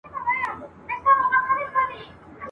د پوهي او عمل په يوه څانګه کي